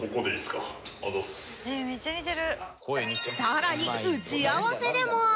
さらに打ち合わせでも